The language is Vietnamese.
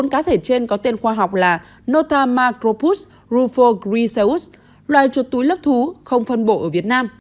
bốn cá thể trên có tên khoa học là notamacropus rufag rezut loài chuột túi lớp thú không phân bộ ở việt nam